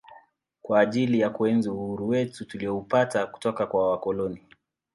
kwa ajili ya kuenzi uhuru wetu tulioupata kutoka kwa wakoloni